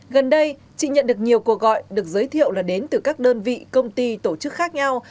gần đây chị nhận được nhiều cuộc gọi được giới thiệu là đến từ các đơn vị công ty tổ chức khác nhau